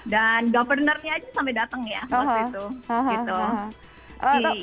dan gubernurnya aja sampai datang ya waktu itu